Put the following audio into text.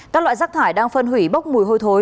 các loại rác thải đang phân hủy bốc mùi hôi thối